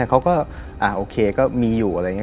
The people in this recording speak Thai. เขาก็โอเคก็มีอยู่อะไรอย่างนี้